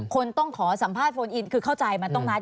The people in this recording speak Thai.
คนต้องขอสัมภาษณ์โฟนอินคือเข้าใจมันต้องนัด